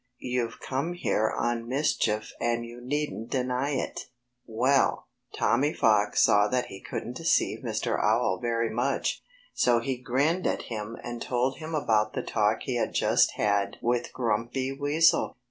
You've come here on mischief and you needn't deny it." Well, Tommy Fox saw that he couldn't deceive Mr. Owl very much. So he grinned at him and told him about the talk he had just had with Grumpy Weasel.